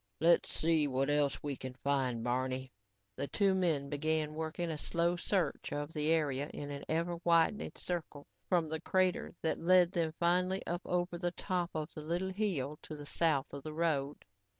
"Let's see what else we can find, Barney." The two men began working a slow search of the area in ever widening circles from the crater that led them finally up and over the top of the little hill to the south of the road.